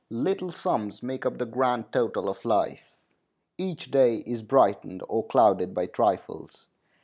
Little sums make up the grand total of life. Each day is brightened or clouded by trifles.